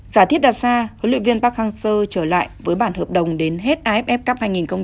giả thiết đặt ra huấn luyện viên park hang seo trở lại với bản hợp đồng đến hết aff cup hai nghìn một mươi chín